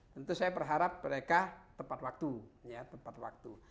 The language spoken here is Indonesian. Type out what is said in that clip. tentu saya berharap mereka tepat waktu